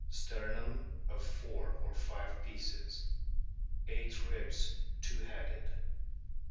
Sternum of four or five pieces. Eight ribs two headed.